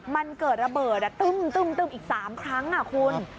มันเกิดระเบิดตึ้มอีก๓ครั้งคุณ